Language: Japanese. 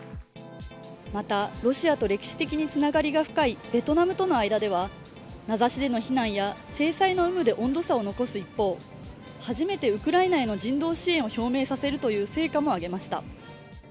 また、ロシアと歴史的につながりが深いベトナムとの間では名指しでの非難や制裁の有無で温度差を残す一方、初めてウクライナへの人道支援を表明させるという成果も挙げました。